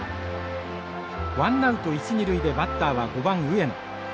ワンナウト一二塁でバッターは５番上野。